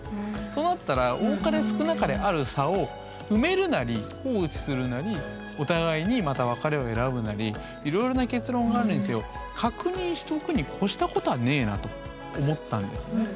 となったら多かれ少なかれある差を埋めるなり放置するなりお互いにまた別れを選ぶなりいろいろな結論があるにせよ確認しておくに越したことはねえなと思ったんですよね。